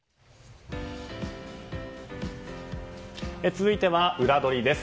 続いてはウラどりです。